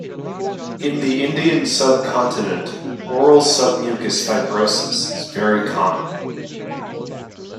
In the Indian subcontinent oral submucous fibrosis is very common.